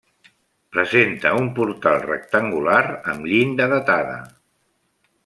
Presenta un portal rectangular amb llinda datada.